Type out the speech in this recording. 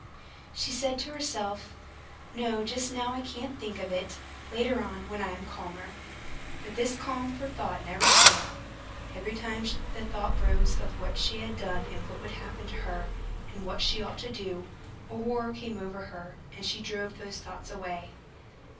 She said to herself: "No, just now I can't think of it, later on, when I am calmer." But this calm for thought never came; every time the thought rose of what she had done and what would happen to her, and what she ought to do, a horror came over her and she drove those thoughts away.